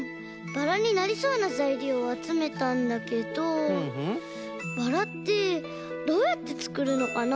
バラになりそうなざいりょうをあつめたんだけどバラってどうやってつくるのかな？